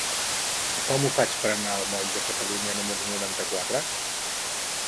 Com ho faig per anar al moll de Catalunya número noranta-quatre?